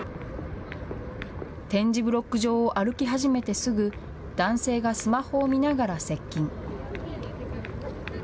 点字ブロック上を歩き始めてすぐ、男性がスマホを見ながら接近。